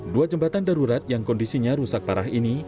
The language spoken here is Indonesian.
dua jembatan darurat yang kondisinya rusak parah ini